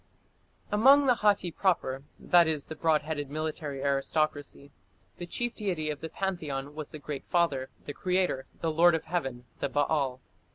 Among the Hatti proper that is, the broad headed military aristocracy the chief deity of the pantheon was the Great Father, the creator, "the lord of Heaven", the Baal.